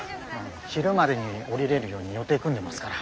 昼までに下りれるように予定組んでますから。